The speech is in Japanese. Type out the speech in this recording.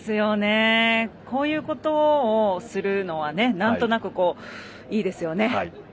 こういうことをするのはなんとなくいいですよね。